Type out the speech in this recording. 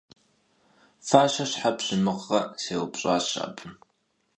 – Фащэ щхьэ пщымыгърэ? – сеупщӀащ абы.